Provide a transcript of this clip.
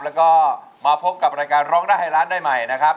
แล้วก็มาพบกับรายการร้องได้ให้ร้านได้ใหม่นะครับ